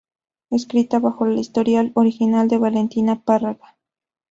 Escrita bajo la historia original de Valentina Párraga.